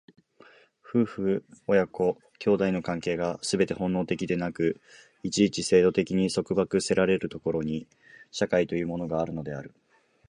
夫婦親子兄弟の関係がすべて本能的でなく、一々制度的に束縛せられる所に、社会というものがあるのである。